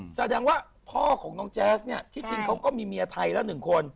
แสดงว่าพ่อของน้องแจ๊สเนี่ยที่จริงเขาก็มีเมียไทยละ๑คน